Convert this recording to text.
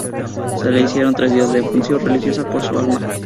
Se le hicieron tres días de función religiosa por su alma.